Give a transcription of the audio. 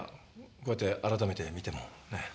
こうやって改めて見てもねえ。